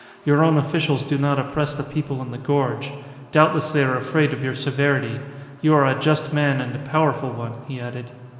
Your own officials do not oppress the people in the gorge. Doubtless they are afraid of your severity. You are a just man and a powerful one," he added.